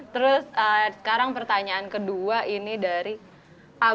terus sekarang pertanyaan kedua ini dari agus gumilar